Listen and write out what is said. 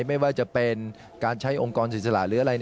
ไม่ว่าจะเป็นการใช้องค์กรอิสระหรืออะไร